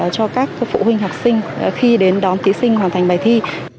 cho các phụ huynh học sinh khi đến đón thí sinh hoàn thành bài thi